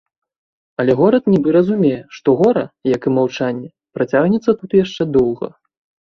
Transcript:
Але горад нібы разумее, што гора, як і маўчанне, працягнецца тут яшчэ доўга.